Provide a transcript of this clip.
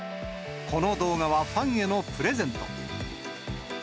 この動画はファンへのプレゼント。